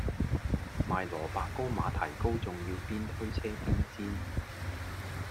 賣蘿蔔糕馬蹄糕仲要邊推車邊煎